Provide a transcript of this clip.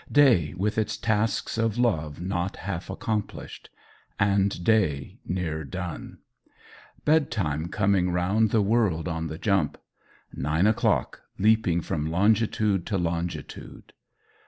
Day with its tasks of love not half accomplished. And Day near done! Bedtime coming round the world on the jump. Nine o'clock leaping from longitude to longitude.